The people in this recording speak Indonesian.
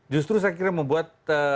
justru saya kira membuat